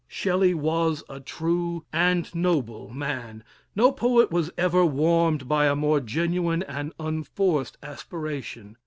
Shelley was a true and noble man no poet was ever warmed by a more genuine and unforced aspiration.